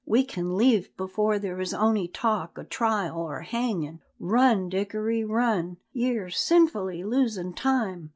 We can leave before there is ony talk o' trial or hangin'. Run, Dickory, run! Ye're sinfully losin' time.